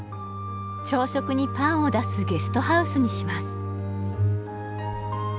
朝食にパンを出すゲストハウスにします。